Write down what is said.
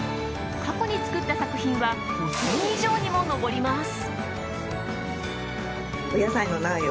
過去に作った作品は５０００以上にも上ります。